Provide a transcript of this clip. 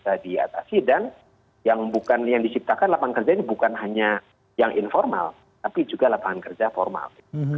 bisa diatasi dan yang bukan yang diciptakan lapangan kerja ini bukan hanya yang informal tapi juga lapangan kerja formal